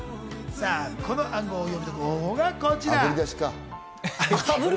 この暗号を読める方法がこちら。